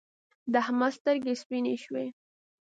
د احمد سترګې سپينې شوې.